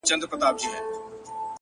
وران خو وراني كيسې نه كوي،